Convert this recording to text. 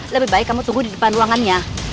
lebih baik kamu tunggu di depan ruangannya